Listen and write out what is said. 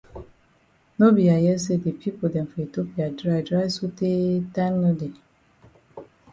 No be I hear say the pipo dem for Ethiopia dry dry so tey time no dey.